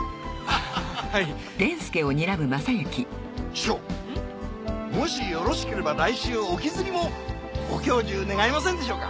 師匠もしよろしければ来週沖釣りもご教授願えませんでしょうか？